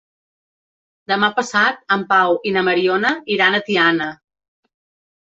Demà passat en Pau i na Mariona iran a Tiana.